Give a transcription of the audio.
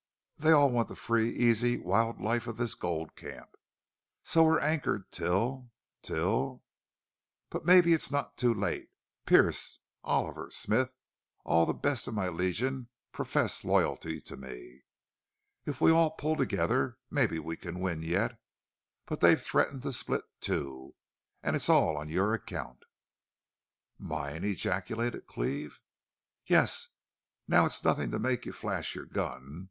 They all want the free, easy, wild life of this gold camp. So we're anchored till till... But maybe it's not too late. Pearce, Oliver, Smith all the best of my Legion profess loyalty to me. If we all pull together maybe we can win yet. But they've threatened to split, too. And it's all on your account!" "Mine?" ejaculated Cleve. "Yes. Now it's nothing to make you flash your gun.